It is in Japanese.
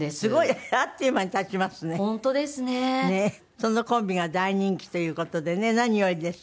そのコンビが大人気という事でね何よりです。